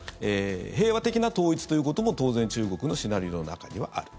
平和的な統一ということも当然中国のシナリオの中にはある。